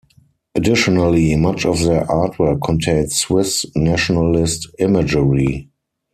Additionally, much of their artwork contains Swiss nationalist imagery.